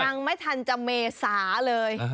ยังไม่ทันจะเมษาเลย